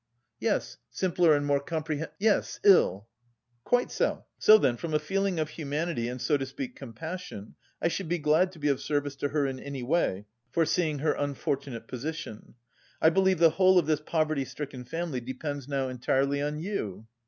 "Yes, simpler and more comprehen... yes, ill." "Quite so. So then from a feeling of humanity and so to speak compassion, I should be glad to be of service to her in any way, foreseeing her unfortunate position. I believe the whole of this poverty stricken family depends now entirely on you?"